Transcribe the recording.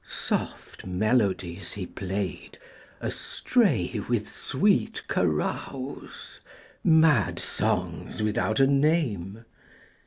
Soft melodies he played, astray with sweet carouse, Mad songs without a name.